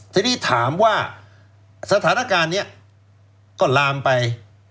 ทีนี้ถามว่าสถานการณ์นี้ก็ลามไป